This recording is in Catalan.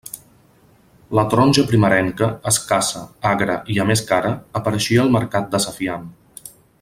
La taronja primerenca, escassa, agra, i a més cara, apareixia al mercat desafiant.